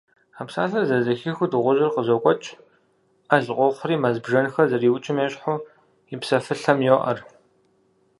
А псалъэхэр зэрызэхихыу, дыгъужьыр къызокӀуэкӀ, Ӏэл къохъури мэз бжэнхэр зэриукӀым ещхьу, и псэфылъэм йоӀэр.